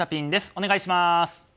お願いします！